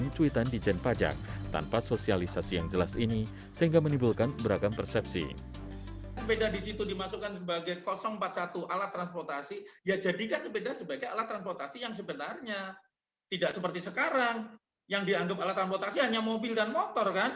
tidak seperti sekarang yang dianggap alat transportasi hanya mobil dan motor kan